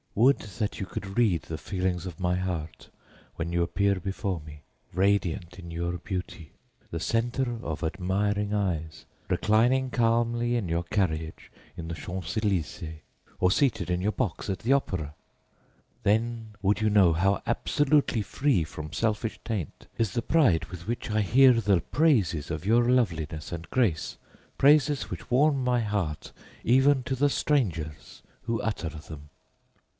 Would that you could read the feelings of my heart when you appear before me, radiant in your beauty, the centre of admiring eyes, reclining calmly in your carriage in the Champs Elysees, or seated in your box at the Opera! Then would you know how absolutely free from selfish taint is the pride with which I hear the praises of your loveliness and grace, praises which warm my heart even to the strangers who utter them!